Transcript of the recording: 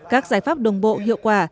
các giải pháp đồng bộ hiệu quả